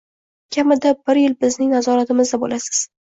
Kamida bir yil bizning nazoratimizda bo`lasiz